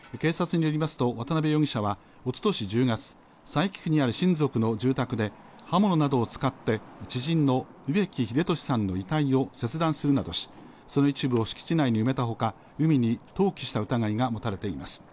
警察によりますと渡部容疑者はおととし１０月、佐伯区にある親族の住宅で刃物などを使って知人の植木秀俊さんの遺体を切断するなどし、その一部を敷地内に埋めたほか、海に投棄した疑いが持たれています。